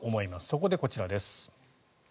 そこでこちらです。